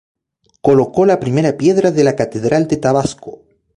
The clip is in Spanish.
Colocó la primera piedra de la Catedral de Tabasco.